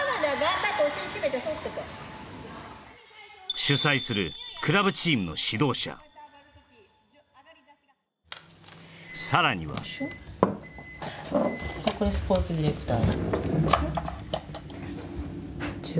主宰するクラブチームの指導者さらにはこれスポーツディレクター